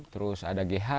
terus ada gh